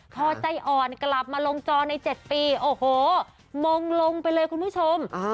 พอใจอ่อนกลับมาลงจอใน๗ปีโอ้โหมงลงไปเลยคุณผู้ชม